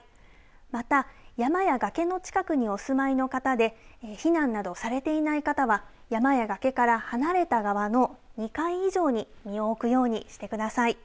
また、山や崖の近くにお住まいの方で避難などされていない方は山や崖から離れた側の２階以上に身を置くようにしてください。